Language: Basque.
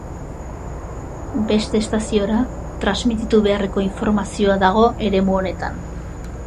Beste estaziora transmititu beharreko informazioa dago eremu honetan.